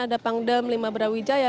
ada pangdem lima brawijaya